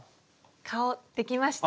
顔できました！